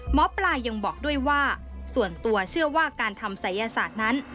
หมอปลายังบอกด้วยว่าส่วนตัวเชื่อว่าการทำศัยศาสตร์นั้น